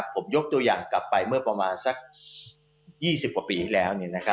ผมยกตัวอย่างกลับไปเมื่อประมาณสัก๒๐กว่าปีที่แล้ว